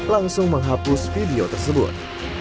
langsung menghapus video tersebut